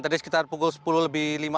tadi sekitar pukul sepuluh lebih lima puluh